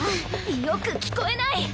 よく聞こえない。